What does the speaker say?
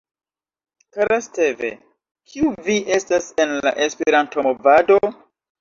Kara Steve, kiu vi estas en la Esperanto-movado?